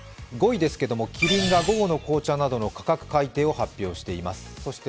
５位ですけれども、キリンが午後の紅茶などの価格改定を発表しています。